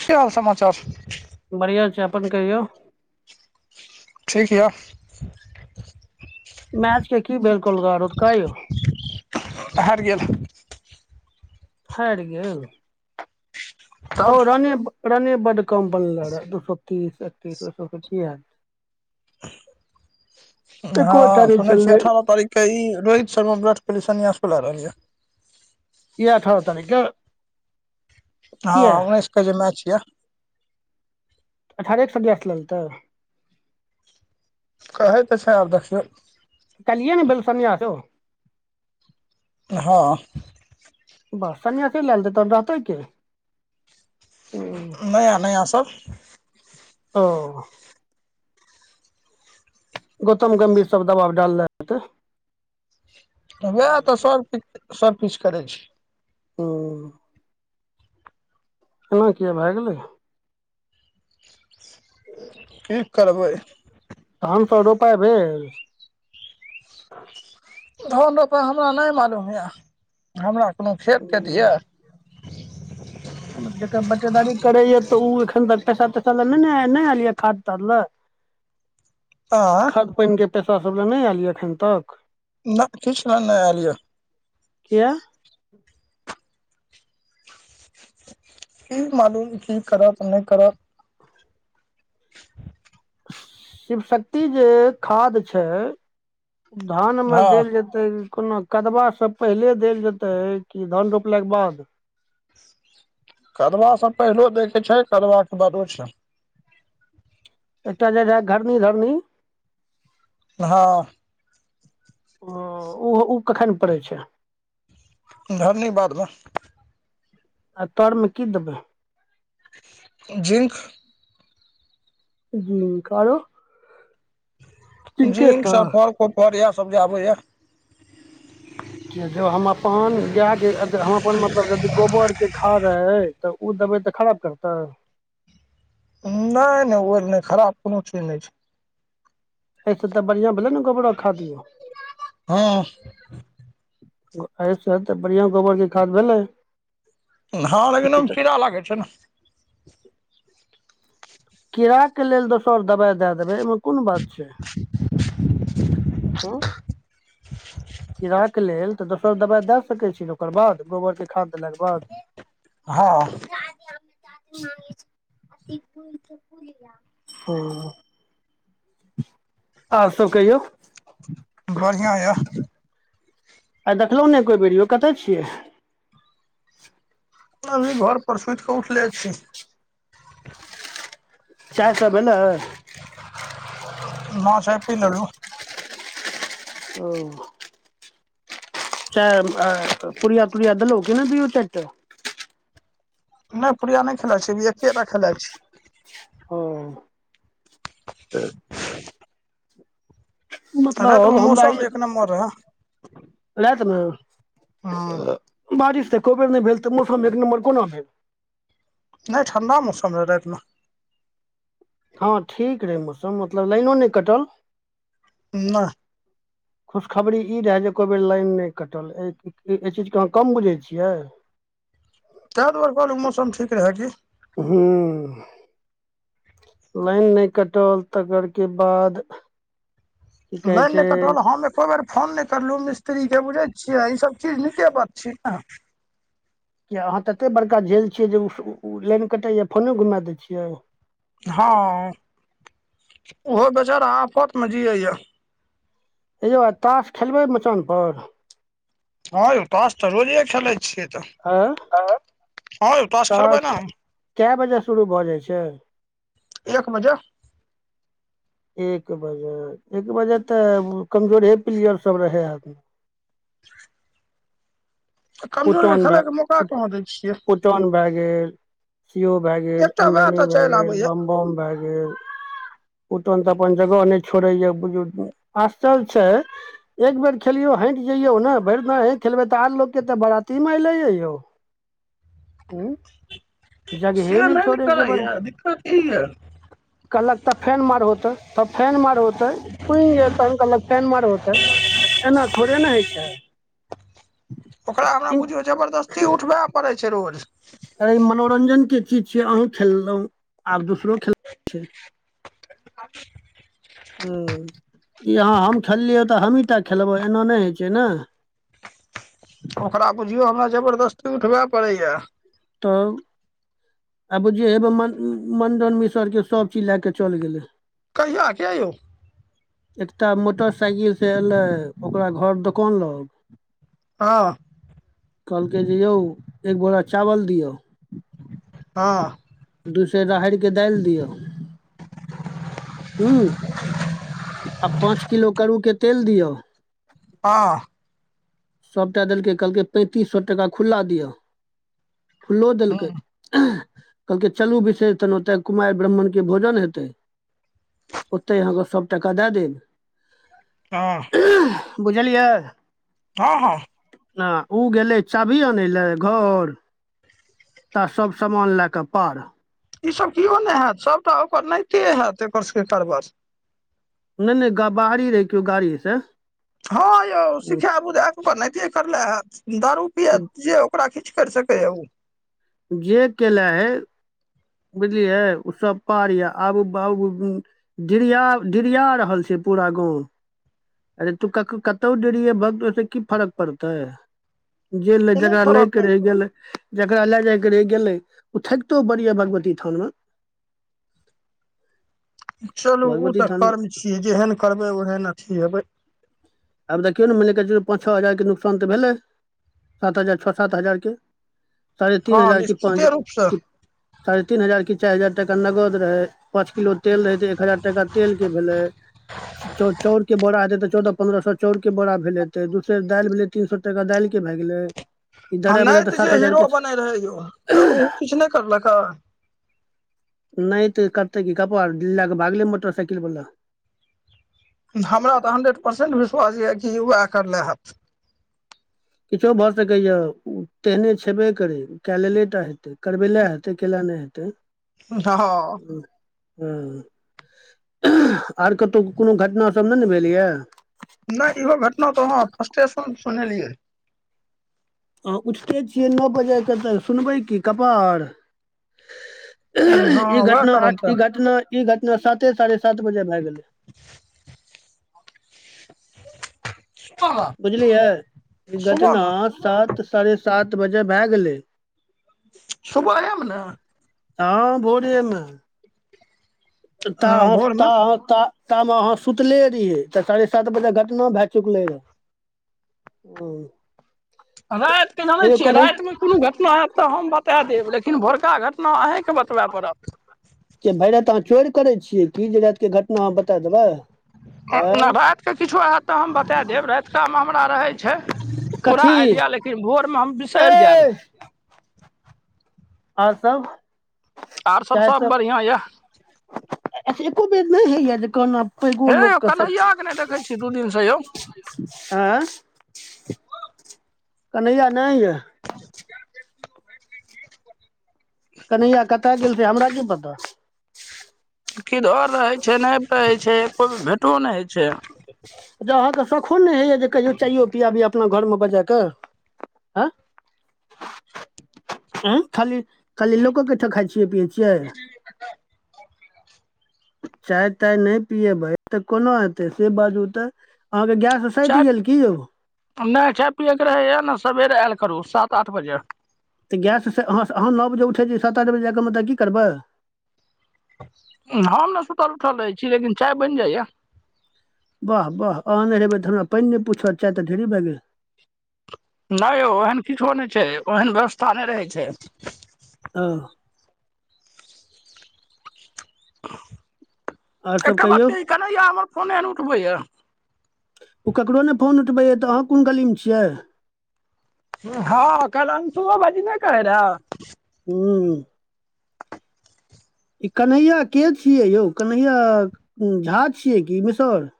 कि हाल समाचार? बढ़िया छै अपन कहियौ! ठीक! मैच के की भेल कौलका रौतका यौ [unintelligible] हाइर गेल [inaudible] हाइर गेल हौ तब रने रने बड्ड कम बनलै रे दू सौ तीस एकतीस ओय सब स कि हैत। एकोटा हँ नहि सुनेै छियइ चललै अठारह तारीख क ई रोहित शर्मा विराट स पहिने सन्यासो ल रहलै या। ई अठारह तारीख क हँ उन्नैस क जे मैच यऽ अठारहे क सन्यास ल लेतय कहै तऽ छै। आब देखियो कलियए ने भेलय सन्यास हो। हँ बा सन्यासलए देतन रहतै क नया नया सब ओ गौतम गम्भीर सब दबाब डालनेे हेतै वैह तऽ सबकि सबकिछ करै छय। हम्म एना किय भए गेलै कि करबै धान सब रोपय भेल धान रोपाय हमरा नहि मालूम यऽ हमरा कोनो खेत तेत यऽ [unintelligible] जकर बटेदारी करे या तऽ उ एखन तक पैसा तैसा लय नैने नहि आयल य ने खाद ताद लए आ खाद पानिके पैसा सब लए नहि आयल य एखन तक न किछ ल नहि आयल य। किय की मालूम की करत नहि करत शिव शक्ति जे खाद छै। धान मे हँ देल जेत कोनो कदबाँ पहिले देल जेतै कि धान रोपलाके बाद कदबासँ पहिलो दैके छै। कदबा के बादो छै। एकटा जे रहै घर्नी धरनी हँ ओ ऊहो उ कखन पड़ै छै। घर्नी बादमे आ तरमे की देबै जिंक जींक आरो जिंके जिंक टा सफर कोफर इएह सब जे आबेया य जो हम अपन गाय के हम अपन मतलब यदि गोबर के खाद है। तऽ ओ दबै तऽ खराब करतै। नहि नहि ओ नहि खराब कुनु चीज नहि छैय। ऐस तऽ बढ़ियाआ भेलोल ने गोबड़ो खाद यौ हाँ एहिसँ तऽ बढ़िआँ गोबरके खाद भेलै हाँ लेकिन ओहिमे कीड़ा लागै छैय। नहि कीड़ाक के लेल दोसर दवाइ दए देबै एहिमे कुन बात छैय। [inaudible] हुँ [inaudible] कीड़ाक के लेल तऽ दोसर दबाइ दय सकैत छी, ने ओकर बाद गोबर के खाद देलाके बाद। हाँ। उ [unintelligible] आर सब कहियौ। बढ़िआं यऽ। आइ देखलहुँ ने एकई बेर यो, कतय छियै। अभी घर पर सुति कऽ उठले छी। चाय सब भेललै? हाँ चाय पी ललु। ओ। चाय अ पुड़िया- तुरीया दलो कि नहि दुयो चारि टा। नहि पूड़िया नहि खेलाइत छी, एकेटा खेला छीय। हूं। उ मतलब रातिमे हमरा ई मौसम एक नम्बर रहै रातमे हँ अ [inaudible] बारिश तऽ एको बेर नहि भेल, तऽ मौसम एक नम्बर कुना भेल। नै ठण्डा मौसम रहे राइत में। हाँ ठीक रहे मौसम मतलब लाइनो नहि कटल। ना। खुशखबरी ई रहै, जे एको बेर लाइन नहि कटल, एहि चीजके अहाँ कम बुझै छियै। ताहि दुआरे कहलहुँ मौसम ठीक रहे की। हुँ। लाइन नहि कटल तकर के बाद की [unintelligible] कहै छै कोइ बेर फोन नहि करलहुँ, मिस्त्रीके बुझै छियै ईसभ चीज नीके बात छीय नै। किए अहाँ तऽ एतेक बड़का झेल छियै, जे ओ लाइन कटैए फोने घुमा दै छियै। हाँ, ओहो बेचारा आफत मे जियैया। हे यौ आइ ताश खेलबै मचानपर। हाँ यौ ताश तऽ रोजे खेलैत छियै तऽ आँय हँ यौ खेलबै ताश, ने कए बजे शुरू भऽ जाइ छैय। एक बजे। एक बजे- एक बजे तऽ कमजोरहे प्लेयर सब रहे हैत। [inaudible] कमजोरके खेलैके मौका कहाँ दै छियै। टन भए गेल, सीओ भए गेल, एकटा वएह अंजनी टा भए, चलि गेल आबैया बमबम भए गेल। जे उटन तऽ अपन जगह नहि छोड़ै या बुझु आश्चर्य छै। एक बेर खेलियौ हैट जइयौ ने, भरि दिन हे खेलबै तऽ आर लोग केते बारती मे ऐले या यौ, उँ से नहि निकलैय बड़ दिक्कत की यै। कहलक तब फेन मारहो हो तै तब फेन मार हो तै। पूइन जे तन कहलक फैन मारो तै, एना थोड़े ने होइ छै। ओकरा हमरा बुझियौ जबरदस्ती उठबै पड़ै छै रोज। ई मनोरंजन के चीज छियै। अहूँ खेललहुँ आर दोसरो खेल। छै आ। ई अहाँ हम खेललियै। तऽ हमहीँ टा खेलबै। एना नहि होइ छै ने। ओकरा बुझियौ। हमरा जबरदस्ती उठबैय पड़ैया। तब आब जे हेब मण मण्डन मिसरके सबचीज लए कऽ चलि गेलै। कहिया किया यौ? एकटा मोटरसाइकिल से एयलै। ओकरा घर दोकान लग। हँ। कहलकै जे यौ एक बोरा चावल दियौ। हँ। दू सेर राहरिके दाइल दियौ। हू आ पाँच किलो करुके तेल दियौ? हँ। सभटा देलकै कहलकै। पैंतीस सए टका खुला दिअ खुल्लो देलकै। हँ कहलकै चलू विशेष तन ओतऽ कुमारि ब्राह्ममणके भोजन हेतै। ओतय अहाँके सभ टका दए देब। हँ। बुझलियै। हँ-हँ। न उ गेलै। चाभी अन लए घर त सभ समान लए कऽ पार। ई सब किओ नहि हेत सभटा ओकर नहिते हेत। एकर सबके कारबर नहि नहि बाहरी रहै। किओ गाड़ी से हँ यौ शिखा बुझाक ओकर नइते करले हैत दारू। कुन परा कीछ कर सकैए उ। जे केले है। बुझलियै। उसभ पार यऽ आब बाबू डिरिया-डिरिया रहल छै। पूरा गाँव अरे तू कक कतहु डिटेभक त ओहिस की फरक पड़तै। जे ल कोनो जकरा फरक लैके रहि नहि गेले। जकरा ले जाय के रहि गेले। ओ थकितो बड़ी य भगवती थाना [inaudible] चलू ओ भगवती तऽ थानमे कर्म छियै। जेहन करबै ओहन अथी हेबै। आब देखियो ने मान ल कह छै। पाँच छओ हजारके नुकसान तऽ भेलै। एतअ जे छओ सात हजारके साढ़े तीन हँ हजारके पाँच निश्चिते रूपसँ कि साढ़े तीन हजार कि चारि हजार तऽ नगद रहै। पाँच किलो तेल रहे त एक हजार टाका तेल के भेले। चाउर के बोरा हेते तऽ चौदह पन्द्रह सए चाउर के बोरा भेले। ते दूसर दालि भेलै। तीन सए टाका दालि के भए गेलै। ई आ दर्रा बेरा तऽ नैत सात जे हजार हीरो के बनै रहे। यौ तऽ ओ किछु नहि करलक। नैत करतै की कपार ले क भागल मोटर साइकिल बला। हमरा तऽ हंड्रेड परसेंट विश्वास यऽ कि उएह करले हेत। किछो भऽ सकैए ओ तेहने छेबे करै कए लेलेटा हेतै। करबेले हेतै केल नहि हेतै। थ ह ह हँ, आर कतहु कोनो घटना सब नहि ने भेलैये? नहि इहो घटना तऽ अहां फर्स्टेसन सुनने रहियै। अहां उठते छियै नओ बजे, तऽ सुनबै की कपाड़। हँ ई वएह घटना कारण आठ तऽ ई घटना ई घटना साते साढ़े सात बजे भए गेलै। [inaudible] बुझलियै, ई सुबह घटना मे सात साढ़े सात बजे भए गेलै। सुबहे में ने? हँ भोरे में। ता हँ हो भोर ता मे हो ता तामे अहाँ सुतले रहियै, तऽ साढ़े सात बजे घटना भए चुकले रहै। हुं। हमरा आर केजानै छियै रातिमे कोनो घटना हैत तऽ हम बता देब लेकिन भोरका घटना अहींके बतबै पड़त। कि भरि राति अहाँ चोरि करै छियै की जे राति के घटना अहाँ बता देबै। नहि आँय राति किछो हयत तऽ हम बता देब, राति का मे हमरा रहै छै पूरा कथी आइडिया लेकिन भोरमे हम बिसरि ऐ जाएब। और सब। आर सब सब बढ़िआँ ये। एको दिन नहि होइये जे कोनो हे यौ, कन्हैयाके नहि देखै छी दू दिनसँ यौ? आंय, कन्हैया नै ये। [inaudible] कन्हैया कतऽ गेल से हमरा कि पता। किधर रहै छै, नहि कहै छै, भेटो नहि होइ छै। जे अहाँके सखो नहि होइए जे कहियो चायो पियाबी अपना घरमे बजा के। हुं खाली खाली लोके ओहिठाम खाइ छियै पीयै छियै। चाय ताय नहि पियेबै तऽ कोना हेतै से बाजू ते। अहाँके गैस सैध चाय गेल की यौ? नहि चाय पियैके रहैए ने सबेरे आयल करू सात आठ बजे। तऽ गैससँ अ अहाँ नओ बजे उठै छियै, सात आठ बजे जाय के ओतऽ की करबै। हम ने सुतल उठल रहै छी लेकिन चाय बनि जाइये। वाह वाह अहुं नहि रहेबै तऽ हमरा पानि नहि पुछत चाय तऽ ढेरी भए गेल। नहि यौ ओहन किछो नहि छै, ओहन व्यवस्था नहि रहै छै। हँ। आओर सब एकटा बात कहियौ कही कन्हैया हमर फोन नै उठबैये। ओ ककरो नहि फोन उठबैय तऽ अहाँ कोन गलीमे छियै। हँ काल्हि अंशुओ भाइजी नहि कहै रहे। हूँ। ई कन्हैया के छियै यौ, कन्हैया झा छियै कि मिसर?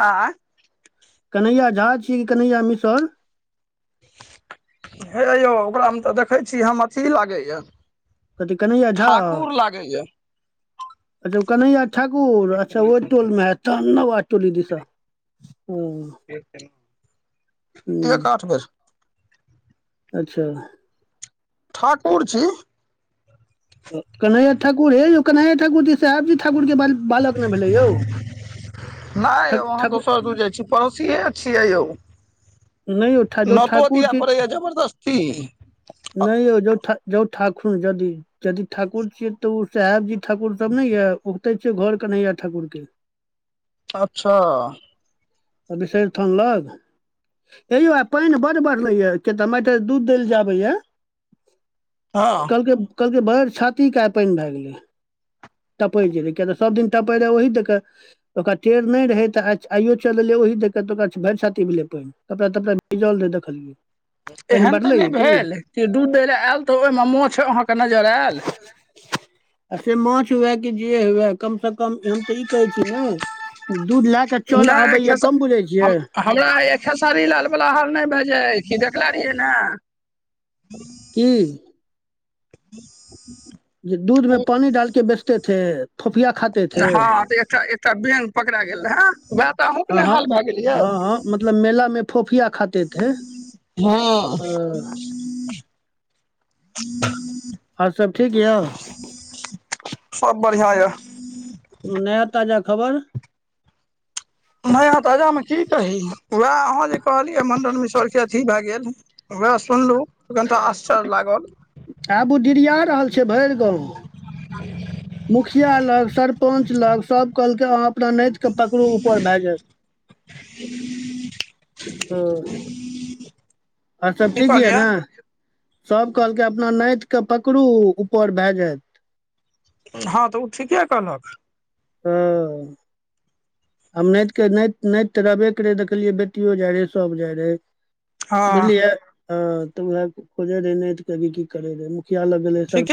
आँ। कन्हैया झा छीयै कि कन्हैया मिसर? हे यौ ओकरामे तऽ देखै छी हम अथि लागैए। कथी कन्हैया झा लागैया अच्छा कन्हैया ठाकुर अच्छा ओहि टोलमे हैत नौआ टोली दिस सं। हुं। एक आठ बेर अच्छा। ठाकुर छी। अ कन्हैया ठाकुर हे यो कन्हैया ठाकुर जी, साहेब जी ठाकुर के बारे मे नै ठा यौ अहाँ के उ ठाकुर सब दूर जाय छी। पड़ोसिये छियै यौ नहि यौ जँ नौतो ठाकुर दिया पड़ेया जबरदस्ती। नै यो जो ठा जो ठाखुन जदि यदि ठाकुर छियै तऽ उ साहेब जी ठाकुर सब नै यऽ ओते छियै घर कन्हैया ठाकुर के। अच्छा। अ विषहैर थान लग। हे यो आय पैन बड बढ़लै या, किया ते हमरा ऐंठा जे दूध देले आबैया हां। कहलकै, कहलकै भैर छाती के आय पेएन भाए गेलै। टपै जे रहै किया तऽ सब दिन टपै रहै ओहि देके ओकरा टेर नै रहै तऽ आय आइयो चैल एलै ओहि देके त ओकरा भैर छाती भेलै पेएन, कपड़ा-तपड़ा भीजल रहै देखलियै। पानि एहन तऽ नै बढ़लैए की भेल आ जे दूध दै ले आएल तऽ ओय मे माछ अहाँ के नजर आएल। आ से माछ हुआए कि जे हुआए कम से कम हम तऽ ई कहै छी नै दूध लाए कऽ चल आब ए खेस हम हमरा ए खेसारी लाल बला हाल नै भाए जाय कि देखलाए रिहै ने। की। [inaudible] जे दूध ओ में पानी डालके बेचते थे फोफिया खाते थे हां तऽ एकटा, एकटा बैंग पकड़ा गेल रहाए, वाएह तऽ अहुँ के नै हाल भाए गेलया। म मेला मे फोफिया खाते थे, हँ औ [inaudible] और सब ठीक यो। सब बढ़ियां या। कुनू नया-ताजा खबर। नया ताजा मे की कही वाएह अहाँ जे कहलियै मण्डन मिशर के अथी भाए गेल वाएह सुनलु तऽ कनटा आश्चर्य लागल। आब उ डिरया रहल छै भैर गाँव। मुखिया लग, सरपंच लग सब कहलकै अहाँ अपना नैत के पकड़ु ऊपर भाए जाएत, हां। [inaudible] और सब की ठीक यऽ कहलियै नै, सब कहलकै अपना नैत के पकड़ू ऊपर भाए जाएत। हां त उ ठीके कहलक। हां। हम नैत के नैत नैत त रहबे करै देखलियै बेटियो जाय रहै, सब जाय रहै। हँ बुझलियै हां तऽ वाएह खोजे रहै नैत के भी की करे रहै, मुखिया लग गेलै, सर ठीके